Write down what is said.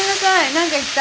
何か言った？